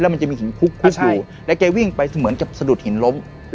มันจะมีหินคุกอยู่แล้วแกวิ่งไปเหมือนกับสะดุดหินล้ม